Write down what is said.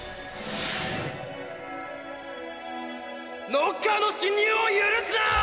ノッカーの侵入を許すなーー！！